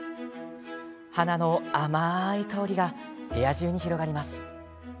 花の甘い香りが部屋中に広がります。